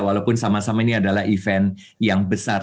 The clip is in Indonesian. walaupun sama sama ini adalah event yang besar